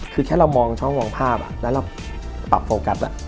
คือแค่เรามองช่องมองภาพแล้วเราปรับโฟกัส